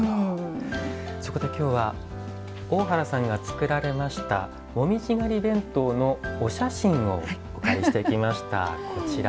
そこで、きょうは大原さんが作られましたもみじ狩り弁当のお写真をお借りしてきました。